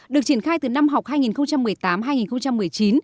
được triển khai từ năm học hai nghìn một mươi tám hai nghìn một mươi chín